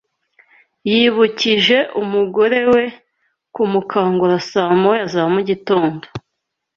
Yibukije umugore we kumukangura saa moya za mugitondo